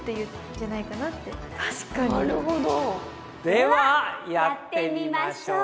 ではやってみましょうか！